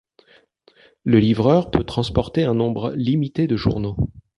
Le livreur peut transporter un nombre limité de journaux.